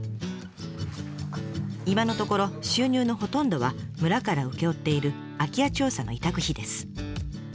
今のところ収入のほとんどは村から請け負っている空き家調査の委託費です。